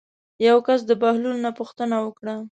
یو کس د بهلول نه پوښتنه وکړه.